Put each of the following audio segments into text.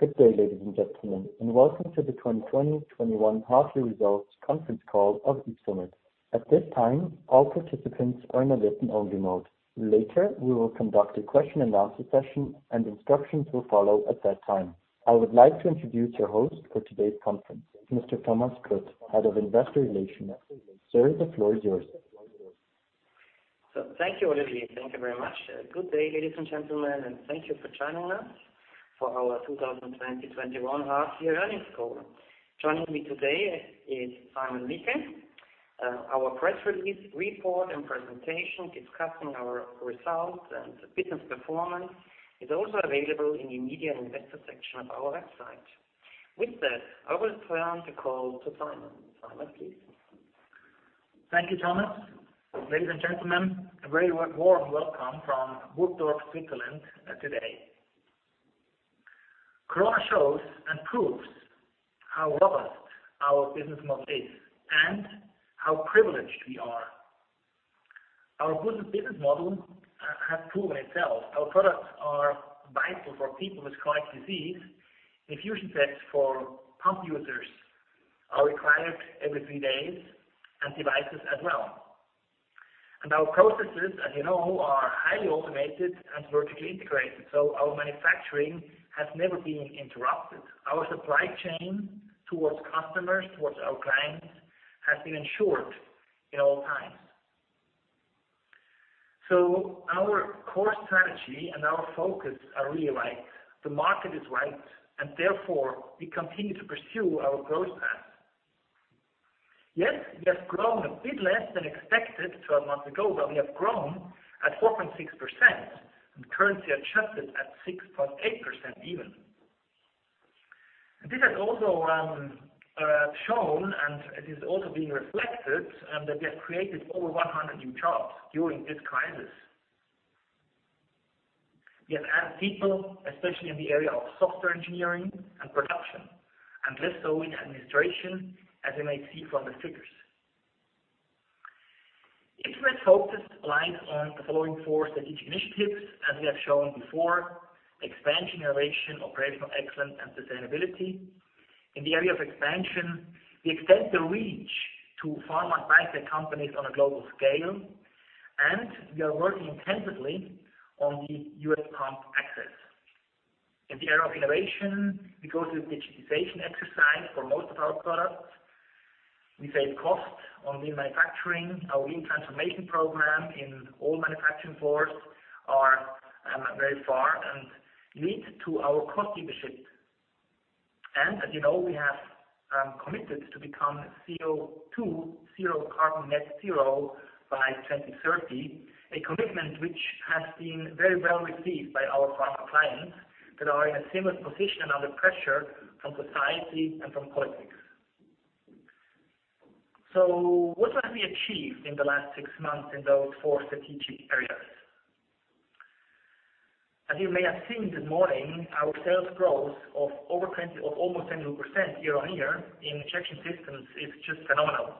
Good day, ladies and gentlemen, and welcome to the 2020/2021 half-year results conference call of Ypsomed. At this time, all participants are in a listen-only mode. Later, we will conduct a question and answer session, and instructions will follow at that time. I would like to introduce your host for today's conference, Mr. Thomas Kutt, Head of Investor Relations. Sir, the floor is yours. Thank you, Olivier. Thank you very much. Good day, ladies and gentlemen, and thank you for joining us for our 2020/2021 half-year earnings call. Joining me today is Simon Michel. Our press release report and presentation discussing our results and business performance is also available in the media investor section of our website. With that, I will turn the call to Simon. Simon, please. Thank you, Thomas. Ladies and gentlemen, a very warm welcome from Burgdorf, Switzerland today. Corona shows and proves how robust our business model is and how privileged we are. Our business model has proven itself. Our products are vital for people with chronic disease. Infusion sets for pump users are required every three days and devices as well. Our processes, as you know, are highly automated and vertically integrated, so our manufacturing has never been interrupted. Our supply chain towards customers, towards our clients, has been ensured at all times. Our core strategy and our focus are realigned. The market is right, and therefore we continue to pursue our growth path. Yes, we have grown a bit less than expected 12 months ago, but we have grown at 4.6% and currency adjusted at 6.8% even. This has also shown, and it is also being reflected, that we have created over 100 new jobs during this crisis. We have added people, especially in the area of software engineering and production, and less so in administration, as you may see from the figures. Ypsomed focused aligned on the following four strategic initiatives, as we have shown before, Expansion, Innovation, Operational Excellence, and Sustainability. In the area of Expansion, we extend the reach to pharma biotech companies on a global scale, and we are working intensively on the U.S. pump access. In the area of Innovation, we go through a digitization exercise for most of our products. We save costs on lean manufacturing. Our Lean Transformation Program in all manufacturing floors are very far and lead to our cost leadership. As you know, we have committed to become CO2 zero carbon net zero by 2030, a commitment which has been very well received by our pharma clients that are in a similar position under pressure from society and from politics. What have we achieved in the last six months in those four strategic areas? As you may have seen this morning, our sales growth of almost 22% year-on-year in injection systems is just phenomenal.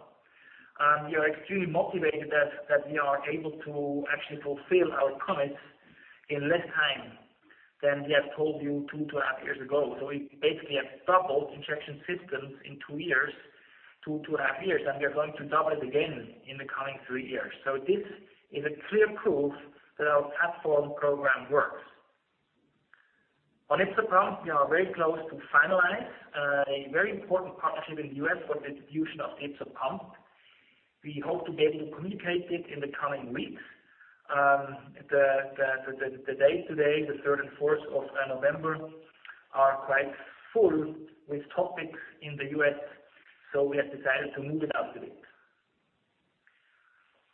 We are extremely motivated that we are able to actually fulfill our commits in less time than we have told you two and a half years ago. We basically have doubled injection systems in two and a half years, and we are going to double it again in the coming three years. This is clear proof that our platform program works. On YpsoPump, we are very close to finalizing a very important partnership in the U.S. for the distribution of YpsoPump. We hope to be able to communicate it in the coming weeks. The day today, the 3rd and 4th of November, are quite full with topics in the U.S., so we have decided to move it up a bit.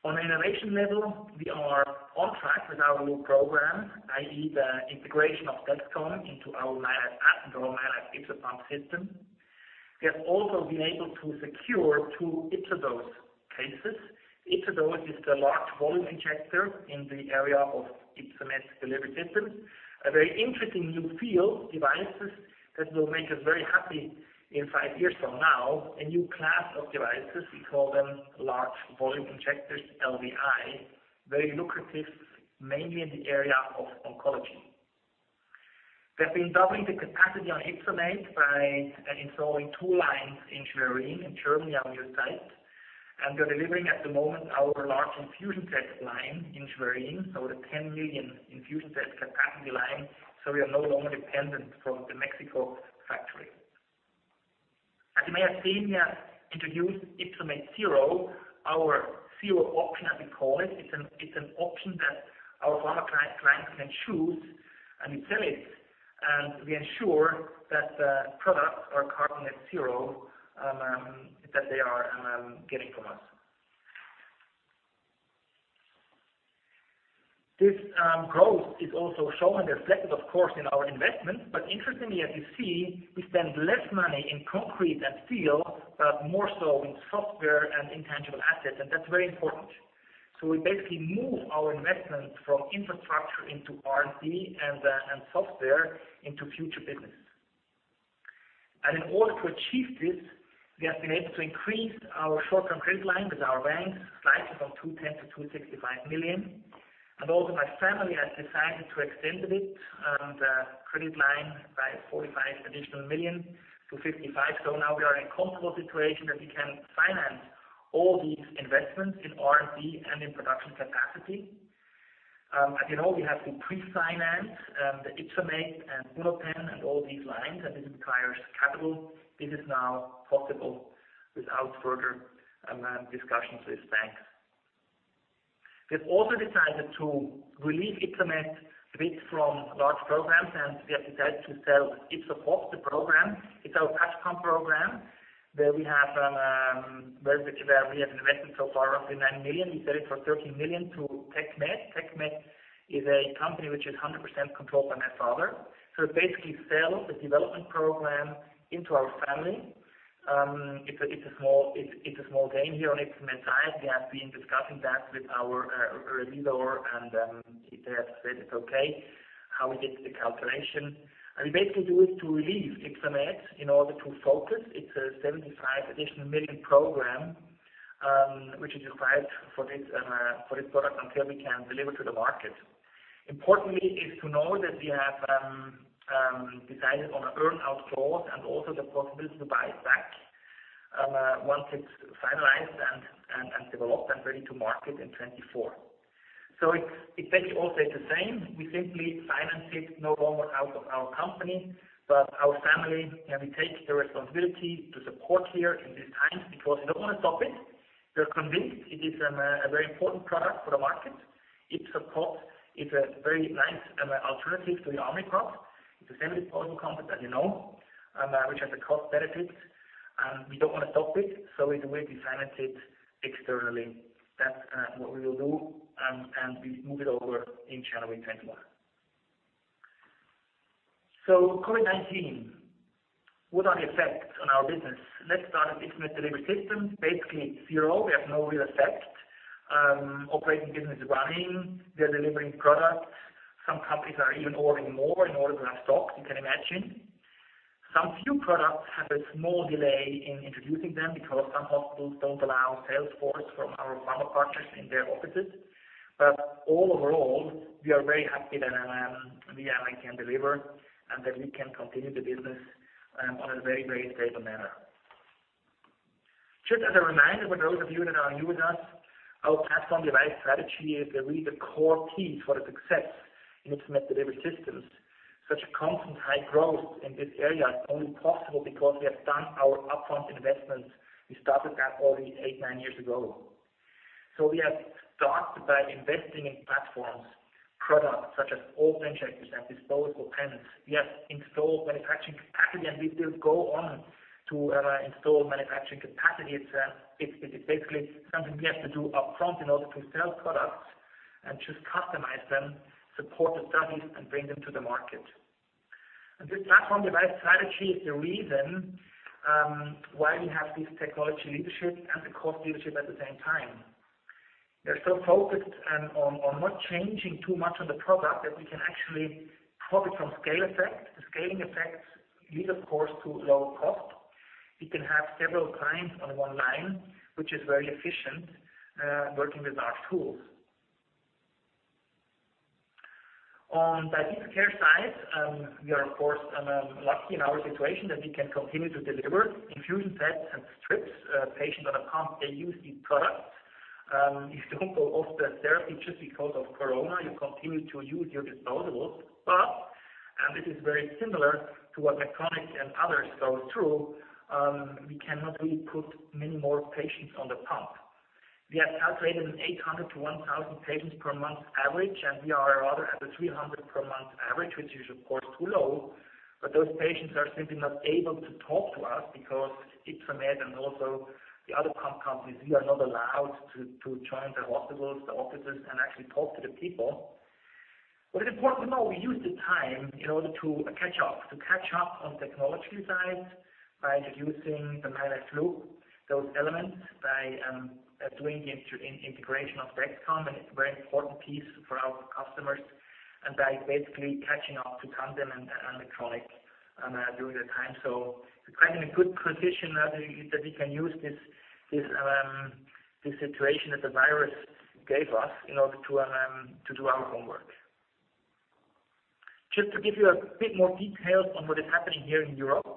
On an innovation level, we are on track with our Loop program, i.e., the integration of Dexcom into our mylife app, mylife YpsoPump system. We have also been able to secure two YpsoDose cases. YpsoDose is the large volume injector in the area of Ypsomed Delivery Systems. A very interesting new field, devices that will make us very happy in five years from now, a new class of devices, we call them large volume injectors, LVI, very lucrative mainly in the area of oncology. We have been doubling the capacity on Ypsomed by installing two lines in Schwerin in Germany on new sites, and we are delivering at the moment our large infusion set line in Schwerin, so the 10 million infusion set capacity line, so we are no longer dependent from the Mexico factory. As you may have seen, we have introduced Ypsomed Zero, our zero option, as we call it. It's an option that our pharma clients can choose, and we sell it, and we ensure that the products are carbon at zero that they are getting from us. This growth is also shown and reflected, of course, in our investments. Interestingly, as you see, we spend less money in concrete and steel, but more so in software and intangible assets, and that's very important. We basically move our investment from infrastructure into R&D and software into future business. In order to achieve this, we have been able to increase our short-term credit line with our bank slightly from 210 million to 265 million. Also my family has decided to extend it and the credit line by 45 million to 55 million. Now we are in a comfortable situation that we can finance all these investments in R&D and in production capacity. As you know, we have to pre-finance the Ypsomed and pen and all these lines, and this requires capital. This is now possible without further discussions with banks. We've also decided to relieve Ypsomed a bit from large programs, and we have decided to sell YpsoPod, the program. It's our patch pump program where we have invested so far roughly 9 million. We sell it for 13 million to TechMed. TechMed is a company which is 100% controlled by my father. It basically sells the development program into our family. It's a small gain here on Ypsomed side. We have been discussing that with our revisor, and they have said it's okay, how we did the calculation. We basically do it to relieve Ypsomed in order to focus. It's a 75 million additional program, which is required for this product until we can deliver to the market. Importantly is to know that we have decided on an earn-out clause and also the possibility to buy it back once it's finalized and developed and ready to market in 2024. It basically all stays the same. We simply finance it no longer out of our company, but our family, and we take the responsibility to support here in these times because we don't want to stop it. We are convinced it is a very important product for the market. YpsoPump is a very nice alternative to the Omnipod. It's the same disposable concept, as you know, which has a cost benefit, and we don't want to stop it. We decided to finance it externally. That's what we will do, and we move it over in January 2021. COVID-19. What are the effects on our business? Let's start with Ypsomed Delivery Systems. Basically zero. We have no real effect. Operating business is running. We are delivering products. Some companies are even ordering more in order to have stock, you can imagine. Some few products have a small delay in introducing them because some hospitals don't allow sales force from our pharma partners in their offices. All overall, we are very happy that we can deliver and that we can continue the business on a very stable manner. Just as a reminder for those of you that are new with us, our platform device strategy is really the core key for the success in Ypsomed Delivery Systems. Such a constant high growth in this area is only possible because we have done our upfront investments. We started that already eight, nine years ago. We have started by investing in platforms, products such as auto-injectors and disposable pens. We have installed manufacturing capacity, and we will go on to install manufacturing capacity. It's basically something we have to do upfront in order to sell products and just customize them, support the studies, and bring them to the market. This platform device strategy is the reason why we have this technology leadership and the cost leadership at the same time. We are so focused on not changing too much on the product that we can actually profit from scale effect. The scaling effects lead, of course, to lower cost. We can have several clients on one line, which is very efficient working with large tools. On diabetes care side, we are of course lucky in our situation that we can continue to deliver infusion sets and strips. Patients on a pump, they use these products. You don't go off the therapy just because of corona. You continue to use your disposables. This is very similar to what Medtronic and others go through, we cannot really put many more patients on the pump. We have calculated 800-1,000 patients per month average, we are rather at the 300 per month average, which is of course too low. Those patients are simply not able to talk to us because Ypsomed and also the other pump companies, we are not allowed to join the hospitals, the offices, and actually talk to the people. What is important to know, we use the time in order to catch up. To catch up on technology side by introducing the mylife Loop, those elements, by doing the integration of Dexcom, it's a very important piece for our customers. By basically catching up to Tandem and Medtronic during the time. We're kind of in a good position that we can use this situation that the virus gave us in order to do our homework. Just to give you a bit more details on what is happening here in Europe.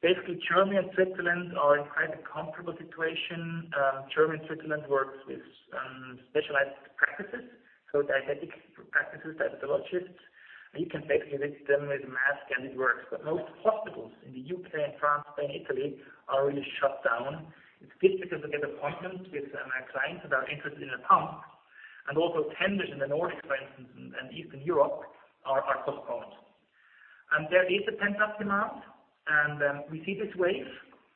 Basically, Germany and Switzerland are in quite a comfortable situation. Germany and Switzerland works with specialized practices, so diabetic practices, diabetologists. You can basically visit them with a mask, it works. Most hospitals in the U.K. and France and Italy are really shut down. It's difficult to get appointments with clients that are interested in a pump. Also tenders in the Nordics, for instance, and Eastern Europe are postponed. There is a pent-up demand, and we see this wave.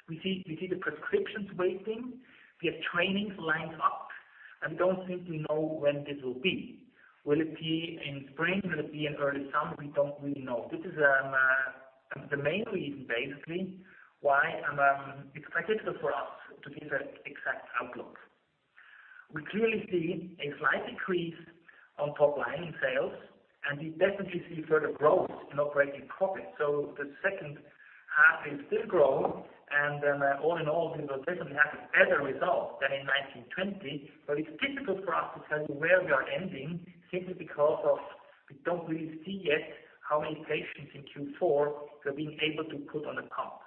We see the prescriptions waiting. We have trainings lined up, and we don't simply know when this will be. Will it be in spring? Will it be in early summer? We don't really know. This is the main reason, basically, why it's difficult for us to give an exact figure. We clearly see a slight increase on top line in sales, and we definitely see further growth in operating profits. The second half is still growing and all in all, we will definitely have a better result than in 2019/2020. It's difficult for us to tell you where we are ending, simply because of we don't really see yet how many patients in Q4 we're being able to put on the pump.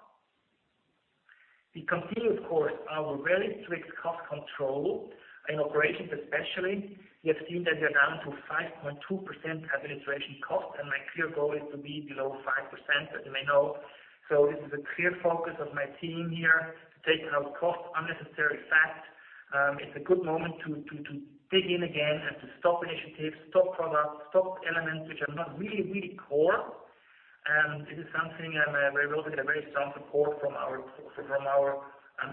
We continue, of course, our very strict cost control in operations especially. We have seen that we are down to 5.2% administration cost, and my clear goal is to be below 5%, as you may know. This is a clear focus of my team here to take out cost, unnecessary fat. It's a good moment to dig in again and to stop initiatives, stop products, stop elements which are not really, really core. This is something where we will get a very strong support from our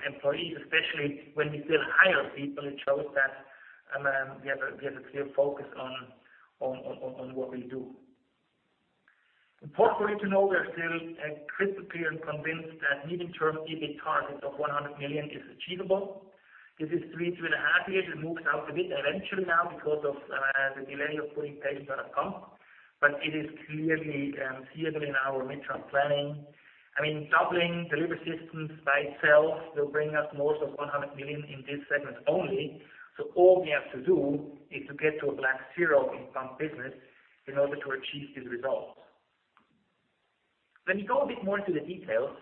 employees, especially when we still hire people. It shows that we have a clear focus on what we do. Important for you to know, we are still crystal clear and convinced that medium-term EBIT target of 100 million is achievable. This is 3.5 years. It moves out a bit eventually now because of the delay of putting patients on a pump, but it is clearly seeable in our mid-term planning. Doubling Delivery Systems by itself will bring us most of 100 million in this segment only. All we have to do is to get to a black zero in pump business in order to achieve this result. When we go a bit more into the details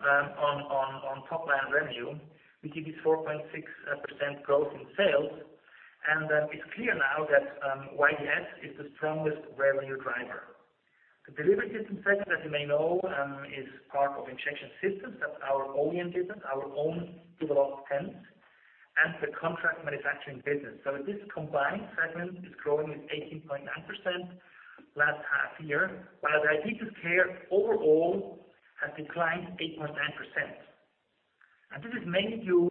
on top-line revenue, we see this 4.6% growth in sales, and it's clear now that YDS is the strongest revenue driver. The delivery system segment, as you may know, is part of injection systems. That's our own business, our own developed pens and the contract manufacturing business. This combined segment is growing at 18.9% last half year, while the diabetes care overall has declined 8.9%. This is mainly due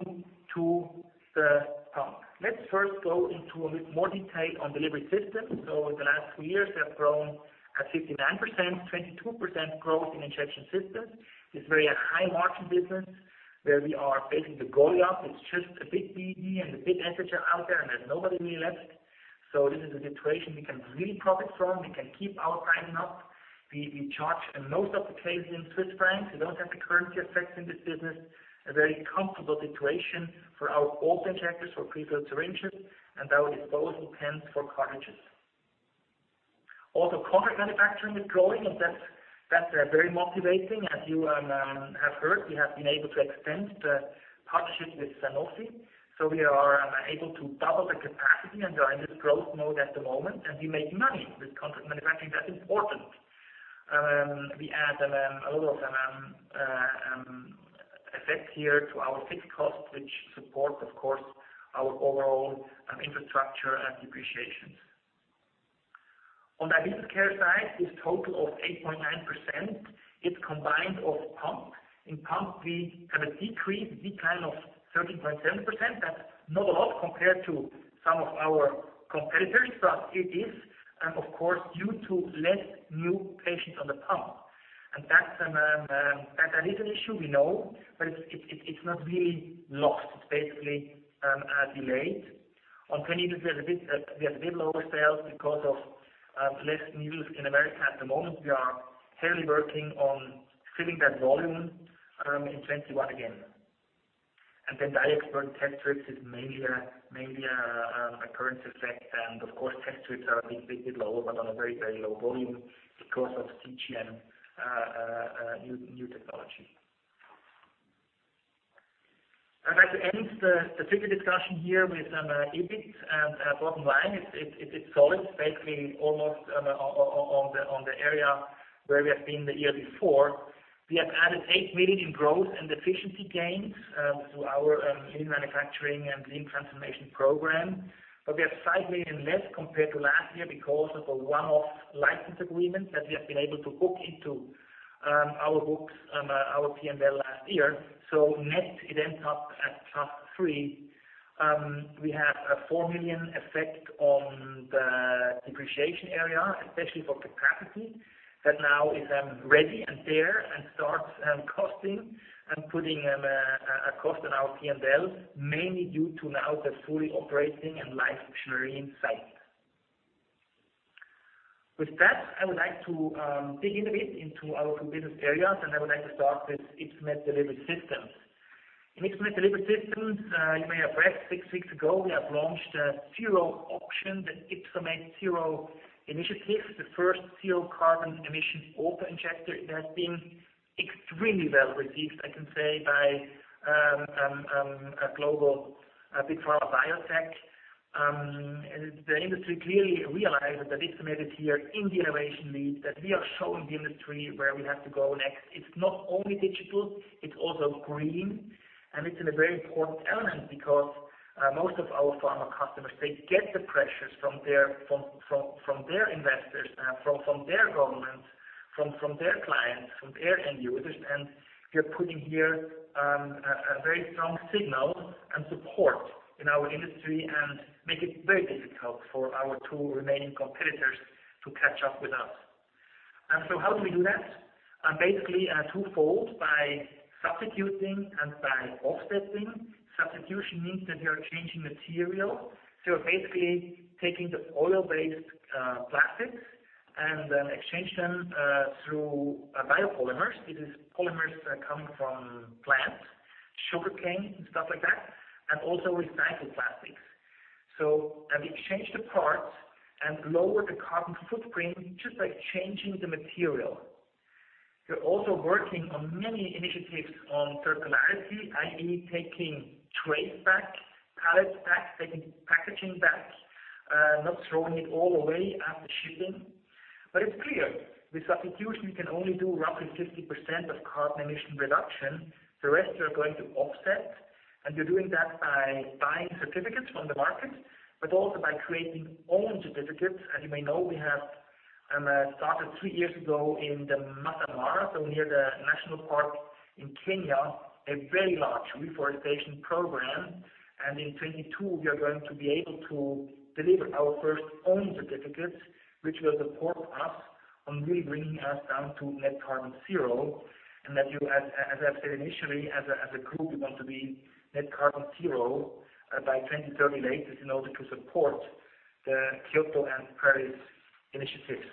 to the pump. Let's first go into a bit more detail on delivery systems. In the last two years, they have grown at 59%, 22% growth in injection systems. It's a very high margin business where we are basically going up. It's just out there, and there's nobody really left. This is a situation we can really profit from. We can keep our pricing up. We charge in most of the cases in Swiss francs. We don't have the currency effects in this business. A very comfortable situation for our auto-injectors, for pre-filled syringes, and our disposable pens for cartridges. Contract manufacturing is growing, and that's very motivating. As you have heard, we have been able to extend the partnership with Sanofi. We are able to double the capacity, and we are in this growth mode at the moment, and we make money with contract manufacturing. That's important. We add a lot of effect here to our fixed cost, which supports, of course, our overall infrastructure and depreciations. On diabetes care side, this total of 8.9%, it's combined of pump. In pump, we have a decrease, decline of 13.7%. That's not a lot compared to some of our competitors, but it is, of course, due to less new patients on the pump. That's a little issue we know, but it's not really lost. It's basically a delay. On needles, we had a bit lower sales because of less needles in America. At the moment, we are heavily working on filling that volume in 2021 again. Then DiaExpert test strips is mainly a currency effect. Of course, test strips are a bit lower, but on a very low volume because of CGM new technology. I'd like to end the figure discussion here with EBIT and bottom line. It's solid, basically almost on the area where we have been the year before. We have added 8 million in growth and efficiency gains through our lean manufacturing and lean transformation program. We have CHF 5 million less compared to last year because of a one-off license agreement that we have been able to book into our books, our P&L last year. Net, it ends up at plus 3 million. We have a 4 million effect on the depreciation area, especially for capacity, that now is ready and there and starts costing and putting a cost on our P&L, mainly due to now the fully operating and live machinery in sight. With that, I would like to dig in a bit into our business areas, and I would like to start with Ypsomed Delivery Systems. In Ypsomed Delivery Systems, you may have read six weeks ago, we have launched a zero option, the Ypsomed Zero Initiative, the first zero carbon emission auto-injector that's been extremely well received, I can say, by global big pharma biotech. The industry clearly realizes that Ypsomed is here in the innovation lead, that we are showing the industry where we have to go next. It's not only digital, it's also green. It's in a very important element because most of our pharma customers, they get the pressures from their investors, from their governments, from their clients, from their end users. We are putting here a very strong signal and support in our industry and make it very difficult for our two remaining competitors to catch up with us. How do we do that? Basically, twofold, by substituting and by offsetting. Substitution means that we are changing material. Basically taking the oil-based plastics and then exchange them through biopolymers. It is polymers that are coming from plants, sugarcane and stuff like that, and also recycled plastics. We exchange the parts and lower the carbon footprint just by changing the material. We're also working on many initiatives on circularity, i.e., taking trays back, pallets back, taking packaging back, not throwing it all away after shipping. It's clear, with substitution, we can only do roughly 50% of carbon emission reduction. The rest we are going to offset. We're doing that by buying certificates from the market, but also by creating our own certificates. As you may know, we have started three years ago in the Maasai Mara, so near the national park in Kenya, a very large reforestation program. In 2022, we are going to be able to deliver our first own certificates, which will support us on really bringing us down to net-zero. That you, as I've said initially, as a group, we want to be net carbon zero by 2030 latest in order to support the Kyoto and Paris initiatives.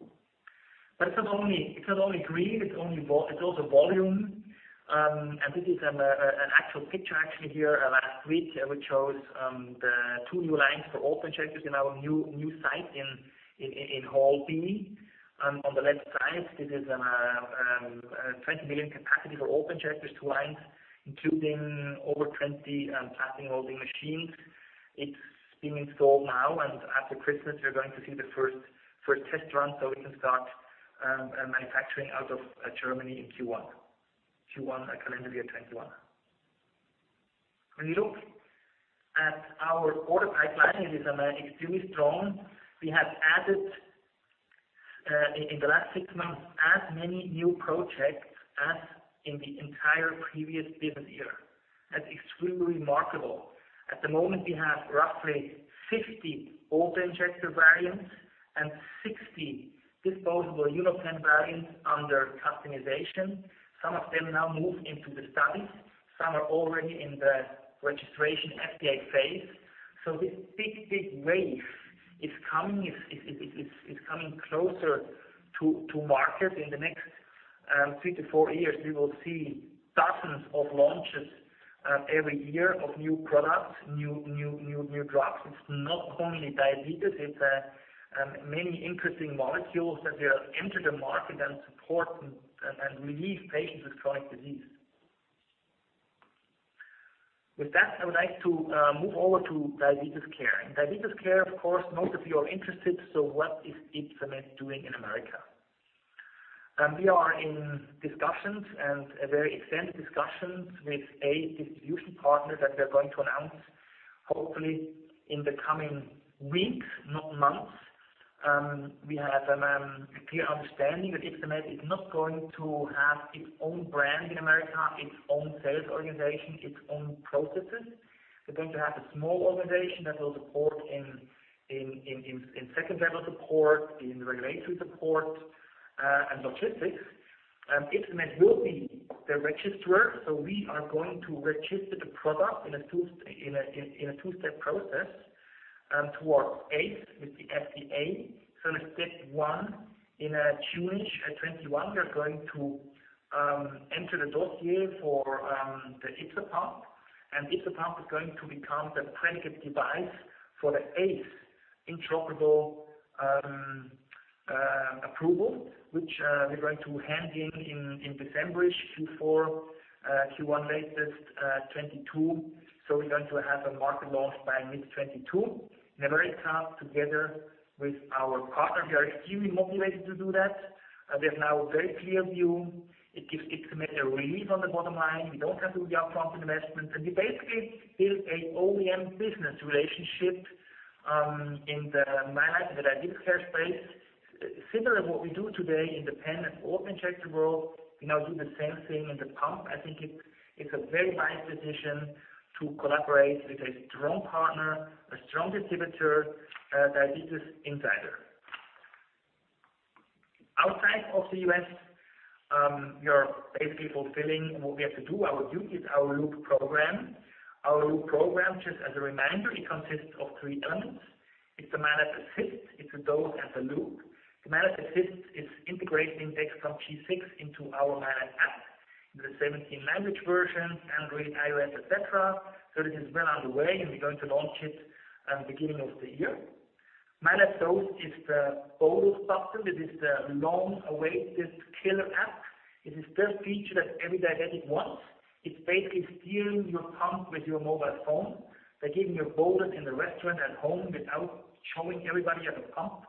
It's not only green, it's also volume. This is an actual picture actually here last week, which shows the two new lines for UnoPens in our new site in Hall B. On the left side, this is a 20 million capacity for UnoPens, two lines, including over 20 plastic molding machines. It's being installed now, and after Christmas, we are going to see the first test run, so we can start manufacturing out of Germany in Q1 calendar year 2021. When you look at our order pipeline, it is extremely strong. We have added in the last six months as many new projects as in the entire previous business year. That's extremely remarkable. At the moment, we have roughly 50 open injector variants and 60 disposable UnoPen variants under customization. Some of them now move into the studies. Some are already in the registration FDA phase. This big wave is coming closer to market. In the next three to four years, we will see dozens of launches every year of new products, new drugs. It's not only diabetes, it's many interesting molecules that will enter the market and support and relieve patients with chronic disease. With that, I would like to move over to diabetes care. Diabetes care, of course, most of you are interested, so what is Ypsomed doing in America? We are in discussions and very extended discussions with a distribution partner that we're going to announce hopefully in the coming weeks, not months. We have a clear understanding that Ypsomed is not going to have its own brand in America, its own sales organization, its own processes. We're going to have a small organization that will support in second-level support, in regulatory support, and logistics. Ypsomed will be the registrar. We are going to register the product in a two-step process towards ACE with the FDA. Step one, in June-ish 2021, we are going to enter the dossier for the YpsoPump, and YpsoPump is going to become the predicate device for the ACE interoperable approval, which we're going to hand in December-ish Q4, Q1 latest 2022. We're going to have a market launch by mid-2022. In America together with our partner. We are extremely motivated to do that. There's now a very clear view. It gives Ypsomed a relief on the bottom line. We don't have to do upfront investments. We basically build an OEM business relationship in the mylife and the diabetes care space. Similar to what we do today in the pen and autoinjectable, we now do the same thing in the pump. I think it's a very wise decision to collaborate with a strong partner, a strong distributor, a diabetes insider. Outside of the U.S., we are basically fulfilling what we have to do. Our duty is our Loop program. Our Loop program, just as a reminder, it consists of three elements. It's the mylife Assist, it's a Dose, and a Loop. The mylife Assist is integrating Dexcom G6 into our mylife app in the 17 language version, Android, iOS, et cetera. This is well underway, and we're going to launch it beginning of the year. mylife Dose is the bolus button. It is the long-awaited killer app. It is the feature that every diabetic wants. It's basically steering your pump with your mobile phone by giving your bolus in the restaurant at home without showing everybody you have a pump.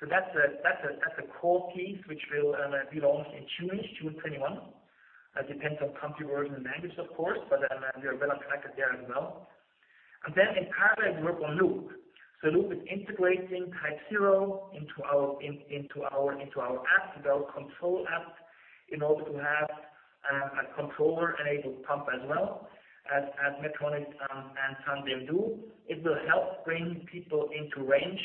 That's the core piece which will be launched in June 2021. Depends on country, version, and language, of course, but we are well on track there as well. In parallel, we work on Loop. Loop is integrating TypeZero into our app, into our control app. In order to have a controller-enabled pump as well, as Medtronic and Tandem do. It will help bring people into range,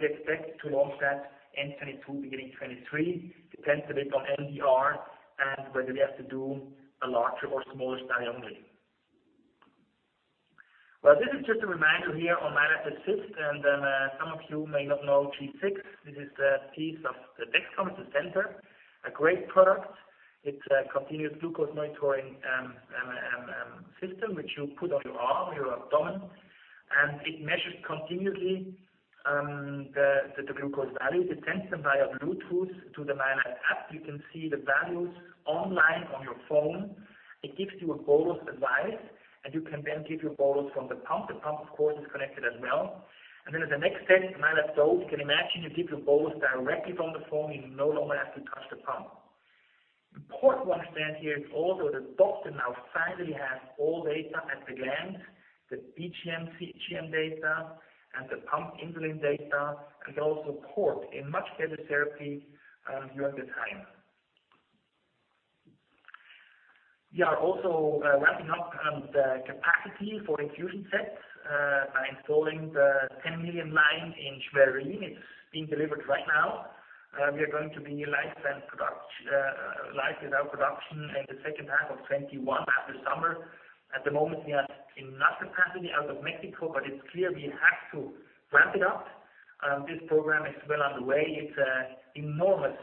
we expect to launch that end 2022, beginning 2023. Depends a bit on MDR and whether we have to do a larger or smaller study only. This is just a reminder here on mylife Assist. Some of you may not know G6. This is the piece of the Dexcom at the center, a great product. It's a continuous glucose monitoring system, which you put on your arm, your abdomen, and it measures continuously the glucose values. It sends them via Bluetooth to the mylife app. You can see the values online on your phone. It gives you a bolus advice. You can then give your bolus from the pump. The pump, of course, is connected as well. As the next step, mylife Dose, you can imagine you give your bolus directly from the phone. You no longer have to touch the pump. Important to understand here is also the doctor now finally has all data at a glance, the BGM, CGM data, and the pump insulin data. They also support a much better therapy during the time. We are also ramping up the capacity for infusion sets by installing the 10 million line in Schwerin. It is being delivered right now. We are going to be live without production in the second half of 2021 after summer. At the moment, we have enough capacity out of Mexico. It is clear we have to ramp it up. This program is well underway. It is an enormous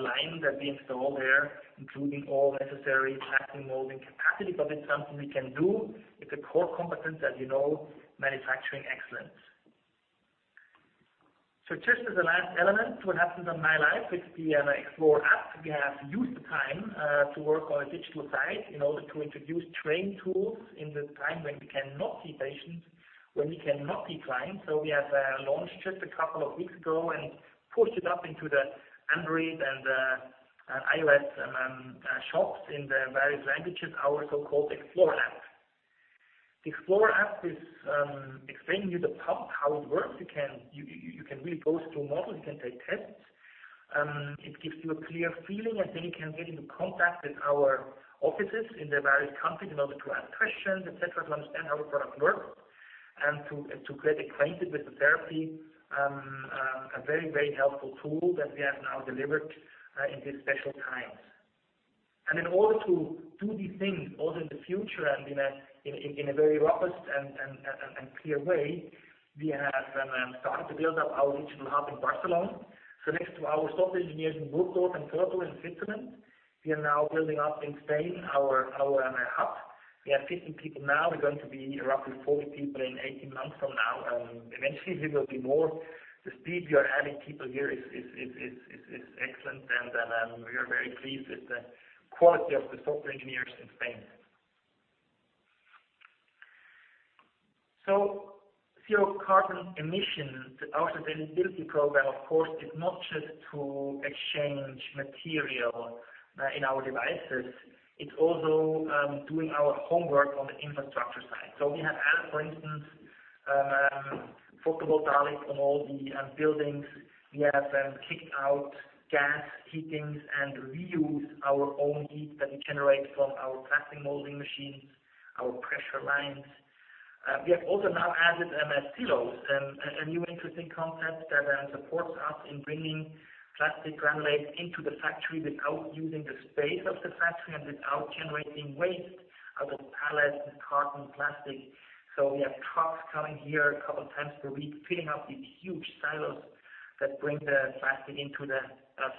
line that we install there, including all necessary plastic molding capacity. It is something we can do. It is a core competence, as you know, manufacturing excellence. Just as a last element, what happens on mylife with the Explore app, we have used the time to work on a digital side in order to introduce training tools in this time when we cannot see patients, when we cannot see clients. We have launched just a couple of weeks ago and pushed it up into the Android and iOS shops in the various languages, our so-called Explore app. The Explore app is explaining you the pump, how it works. You can really go through a model, you can take tests. It gives you a clear feeling, and then you can get into contact with our offices in the various countries in order to ask questions, et cetera, to understand how the product works and to get acquainted with the therapy. A very helpful tool that we have now delivered in these special times. In order to do these things, also in the future and in a very robust and clear way, we have started to build up our regional hub in Barcelona. Next to our software engineers in Burgdorf and Köniz in Switzerland, we are now building up in Spain our hub. We have 50 people now. We're going to be roughly 40 people in 18 months from now. Eventually, we will be more. The speed we are adding people here is excellent, and we are very pleased with the quality of the software engineers in Spain. Zero carbon emissions. Our sustainability program, of course, is not just to exchange material in our devices. It's also doing our homework on the infrastructure side. We have added, for instance, photovoltaic on all the buildings. We have kicked out gas heatings and reuse our own heat that we generate from our plastic molding machines, our pressure lines. We have also now added silos. A new interesting concept that supports us in bringing plastic granulates into the factory without using the space of the factory and without generating waste out of pallets and carton plastic. We have trucks coming here a couple of times per week, filling up these huge silos that bring the plastic into the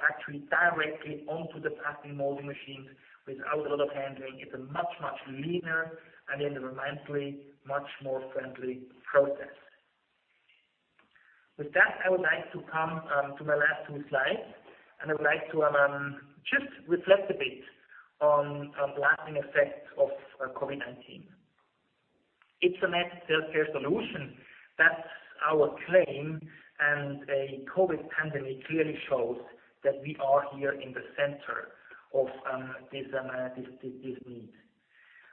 factory directly onto the plastic molding machines without a lot of handling. It's a much leaner and environmentally much more friendly process. With that, I would like to come to my last two slides, and I would like to just reflect a bit on lasting effects of COVID-19. Ypsomed self-care solution, that's our claim. A COVID pandemic clearly shows that we are here in the center of these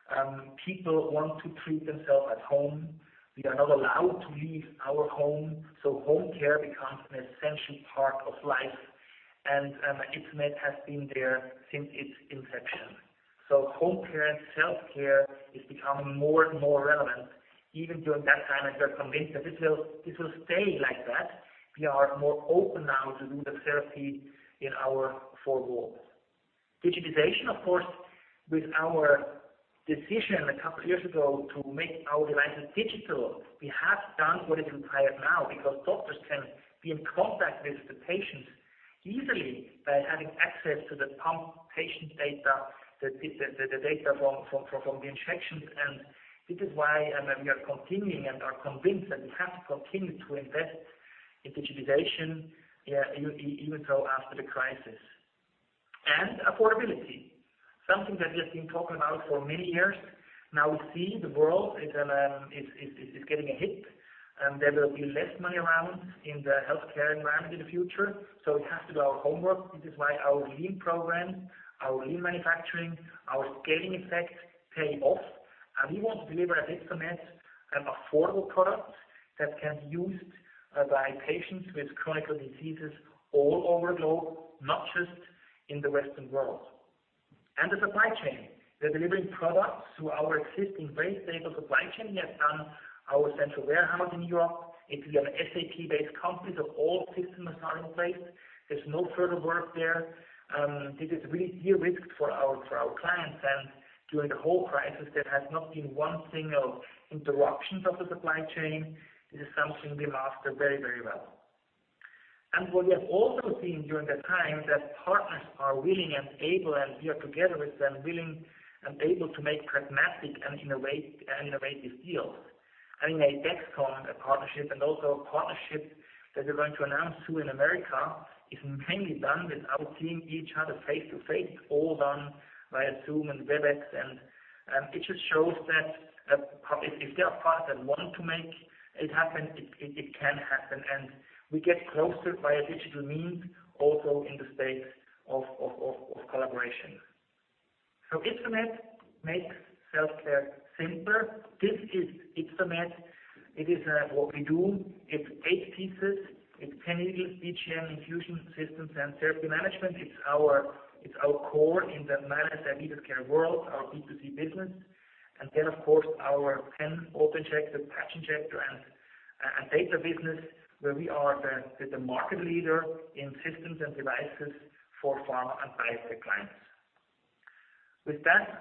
needs. People want to treat themselves at home. We are not allowed to leave our home. Home care becomes an essential part of life. Ypsomed has been there since its inception. Home care and self-care is becoming more and more relevant, even during that time. We are convinced that this will stay like that. We are more open now to do the therapy in our four walls. Digitization, of course, with our decision a couple of years ago to make our devices digital, we have done what is required now because doctors can be in contact with the patients easily by having access to the pump patient data, the data from the injections. This is why we are continuing and are convinced that we have to continue to invest in digitization even after the crisis. Affordability, something that we have been talking about for many years. Now we see the world is getting a hit, and there will be less money around in the healthcare environment in the future. We have to do our homework. This is why our lean program, our lean manufacturing, our scaling effect pay off. We want to deliver at Ypsomed an affordable product that can be used by patients with chronic diseases all over the globe, not just in the Western world. The supply chain. We are delivering products through our existing, very stable supply chain. We have done our central warehouse in Europe. It's an SAP-based company, so all systems are in place. There's no further work there. This is de-risked for our clients, and during the whole crisis, there has not been one single interruption of the supply chain. This is something we master very well. What we have also seen during that time, that partners are willing and able, and we are together with them, willing and able to make pragmatic and innovative deals. I mean, the Dexcom partnership and also a partnership that we're going to announce soon in America, is mainly done without seeing each other face-to-face. It's all done via Zoom and Webex, and it just shows that if there are partners that want to make it happen, it can happen. We get closer via digital means also in the space of collaboration. Ypsomed makes self-care simpler. This is Ypsomed. It is what we do. It's eight pieces. It's pen needles, BGM infusion systems, and therapy management. It's our core in the managed and needed care world, our B2C business. Of course, our pen autoinjector, patch injector, and data business, where we are the market leader in systems and devices for pharma and biotech clients. With that,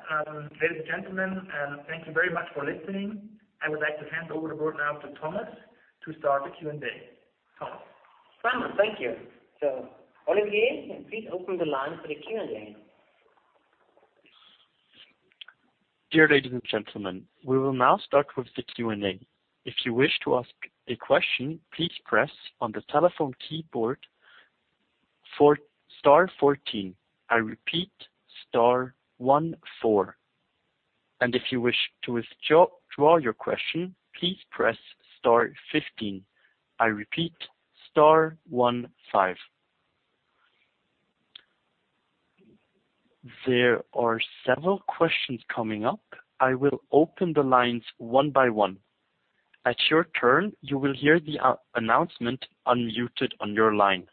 ladies and gentlemen, thank you very much for listening. I would like to hand over the board now to Thomas to start the Q&A. Thomas. Thank you. Olivier, please open the line for the Q&A. Dear ladies and gentlemen, we will now start with the Q&A. If you wish to ask a question, please press on the telephone keyboard star 14. I repeat, star one four. If you wish to withdraw your question, please press star 15. I repeat, star one five. There are several questions coming up. I will open the lines one by one. At your turn, you will hear the announcement unmuted on your line.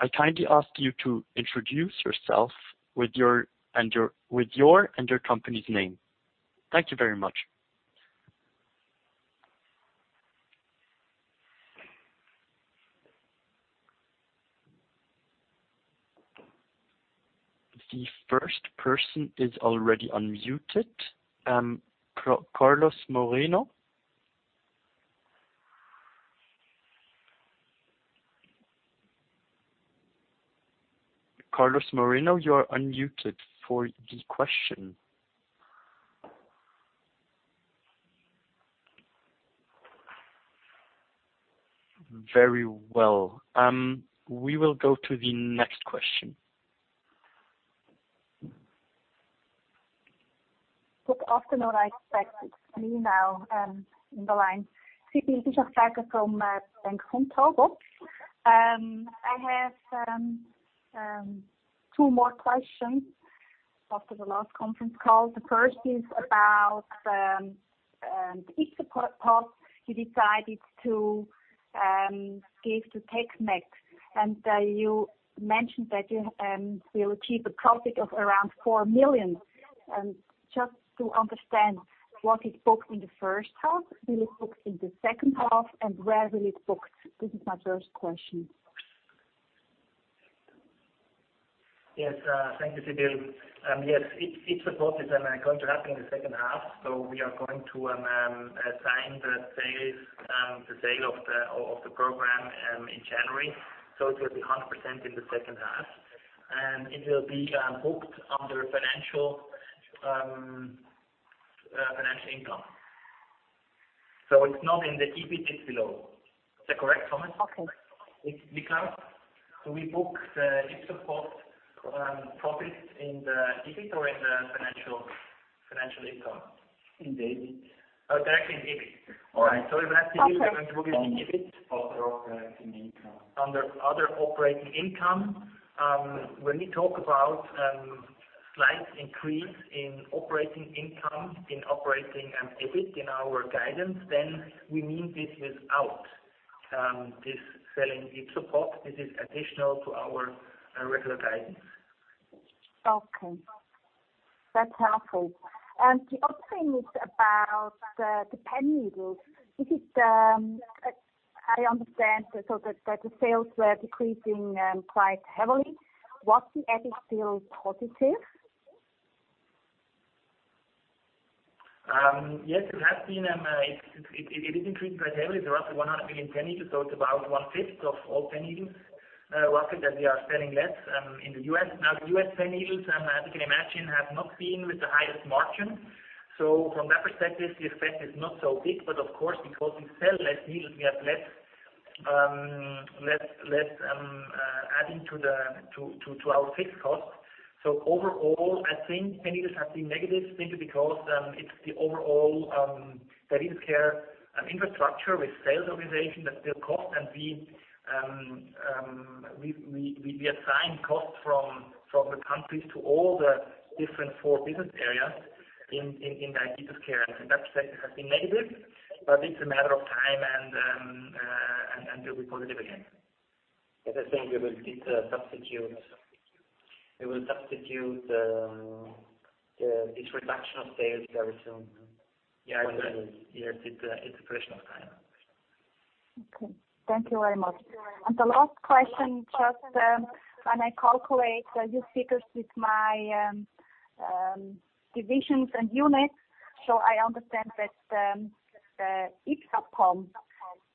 I kindly ask you to introduce yourself with your and your company's name. Thank you very much. The first person is already unmuted. Carlos Moreno. Carlos Moreno, you are unmuted for the question. Very well. We will go to the next question. Good afternoon. It's me now on the line. Sibylle Bischofberger from Bank Vontobel. I have two more questions after the last conference call. The first is about YpsoPump you decided to give to TechMed. You mentioned that you will achieve a profit of around 4 million. Just to understand, was it booked in the first half? Will it book in the second half? Where will it book? This is my first question. Thank you, Sibylle. YpsoPump is going to happen in the second half. We are going to sign the sale of the program in January. It will be 100% in the second half. It will be booked under financial income. It's not in the EBIT below. Is that correct, Thomas? Niklaus, do we book the YpsoPump profit in the EBIT or in the financial income? In the EBIT. Oh, directly in EBIT. All right. Other operating income. Under other operating income. When we talk about slight increase in operating income, in operating and EBIT in our guidance, then we mean this without this selling YpsoPump. This is additional to our regular guidance. That's helpful. The other thing is about the pen needles. I understand that the sales were decreasing quite heavily. Was the EBIT still positive? Yes, it is increasing quite heavily. There are around 100 million pen needles, so it's about 1/5 of all pen needles. Roughly that we are selling less in the U.S. The U.S. pen needles, as you can imagine, have not been with the highest margin. From that perspective, the effect is not so big. Of course, because we sell less needles, we have less adding to our fixed cost. Overall, I think pen needles have been negative simply because it's the overall that is care infrastructure with sales organization that build cost and we assign cost from the countries to all the different four business areas in diabetes care. That sector has been negative, it's a matter of time and will be positive again. As I said, we will substitute this reduction of sales very soon. Yes. It's a question of time. Thank you very much. The last question, just when I calculate your figures with my divisions and units. I understand that the YpsoPump,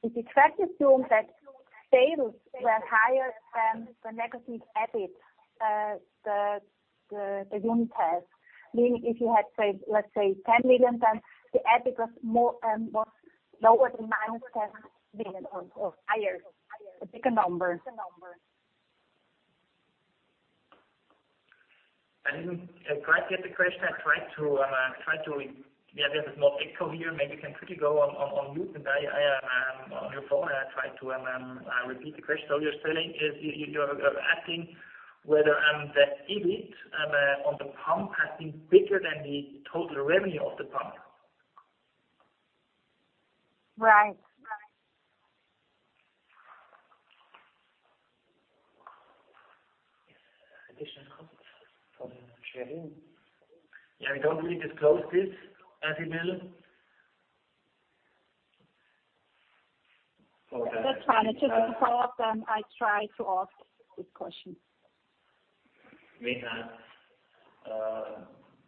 it's attractive to me that sales were higher than the negative EBIT, the unit sales. Meaning if you had, let's say, 10 million times the EBIT was lower than 9 million or higher, a bigger number. I didn't quite get the question. There is more echo here. Maybe you can quickly go on mute on your phone, and I try to repeat the question. You're asking whether the EBIT on the pump has been bigger than the total revenue of the pump? Right. Additional cost for the. We don't really disclose this, Sibylle. That's fine. It's just to follow up, then I try to ask this question. We have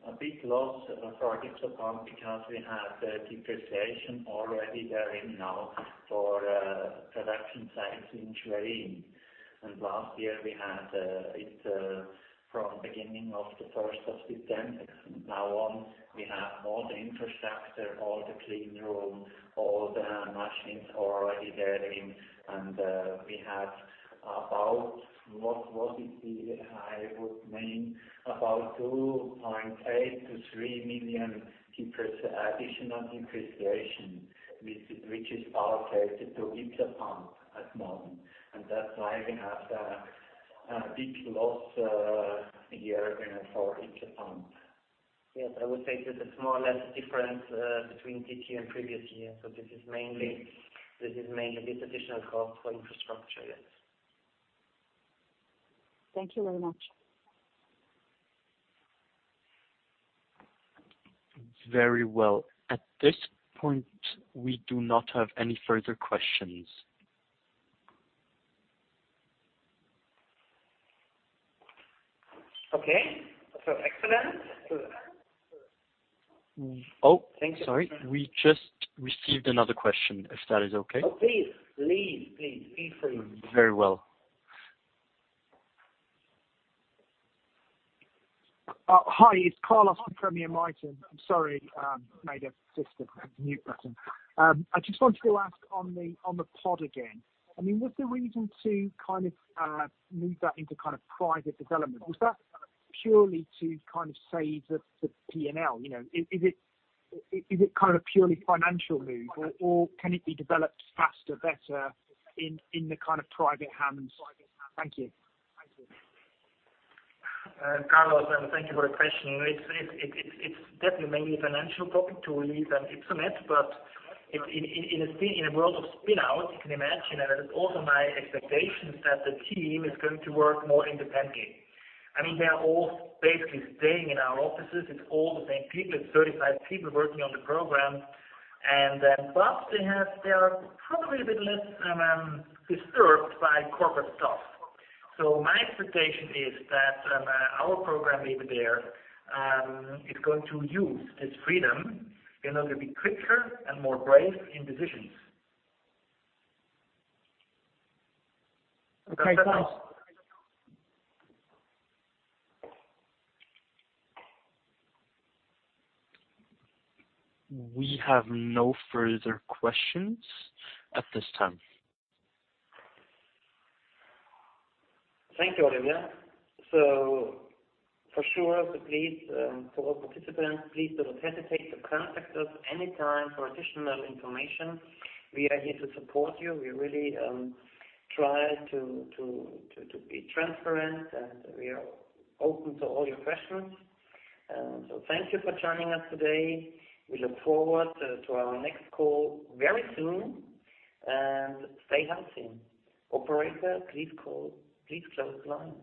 a big loss for YpsoPump because we have depreciation already there in now for production sites in Schwerin. Last year from beginning of the 1st of September, from now on, we have all the infrastructure, all the clean room, all the machines are already there in and we have about, what was it, I would mean about 2.8 million to 3 million additional depreciation, which is allocated to YpsoPump at the moment. That's why we have a big loss year for YpsoPump. I would say that the small less difference between this year and previous year. This is mainly this additional cost for infrastructure. Thank you very much. Very well. At this point, we do not have any further questions. Okay, excellent. Oh, sorry. We just received another question, if that is okay. Oh, please. Please free. Very well. Hi, it's Carlos from Premier Miton. I'm sorry, my assistant had the mute button. I just wanted to ask on the pod again, was the reason to move that into private development, was that purely to save the P&L? Is it a purely financial move, or can it be developed faster, better in the private hands? Thank you. Carlos, thank you for the question. It's definitely mainly a financial topic to leave Ypsomed, but in a world of spin-out, you can imagine, and it is also my expectations that the team is going to work more independently. They are all basically staying in our offices. It's all the same people. It's 35 people working on the program. Plus, they are probably a bit less disturbed by corporate stuff. My expectation is that our program over there is going to use its freedom in order to be quicker and more brave in decisions. We have no further questions at this time. Thank you, Olivier. For sure, please, to all participants, please do not hesitate to contact us anytime for additional information. We are here to support you. We really try to be transparent, and we are open to all your questions. Thank you for joining us today. We look forward to our next call very soon, and stay healthy. Operator, please close the line.